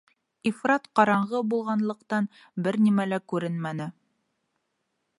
Ифрат ҡараңғы булғанлыҡтан, бер нимә лә күренмәне.